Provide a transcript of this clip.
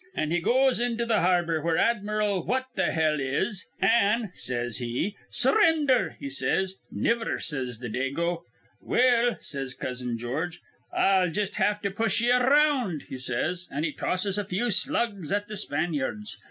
An' he goes into th' harbor, where Admiral What th' 'ell is, an', says he, 'Surrinder,' he says. 'Niver,' says th' Dago. 'Well,' says Cousin George, 'I'll just have to push ye ar round,' he says. An' he tosses a few slugs at th' Spanyards.